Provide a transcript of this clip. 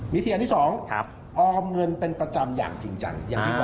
วิธีอันที่๒ออมเงินเป็นประจำอย่างจริงจัง